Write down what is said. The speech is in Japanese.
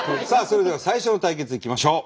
それでは最初の対決いきましょう！